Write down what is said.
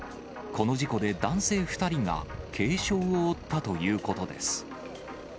この事故で男性２人が軽傷を負ったということです。